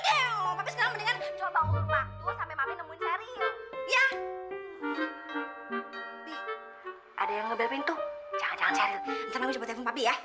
jangan jangan sherry ntar mami coba telepon papi ya